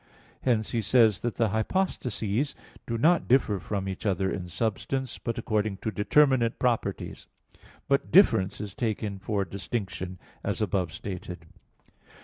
Hence he says that the hypostases do not differ from each other in substance, but according to determinate properties. But "difference" is taken for "distinction," as above stated.